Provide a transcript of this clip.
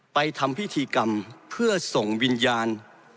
ทำพิธีกรรมเพื่อส่งวิญญาณ